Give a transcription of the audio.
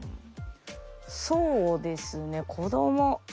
そうですね子ども。